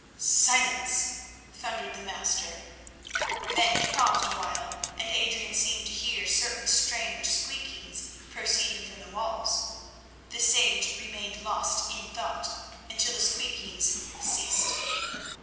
"Silence!" thundered the Master. Then he paused a while, and Adrian seemed to hear certain strange squeakings proceeding from the walls. The sage remained lost in thought until the squeakings ceased.